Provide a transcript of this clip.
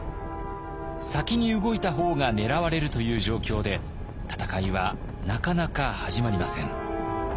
先に動いた方が狙われるという状況で戦いはなかなか始まりません。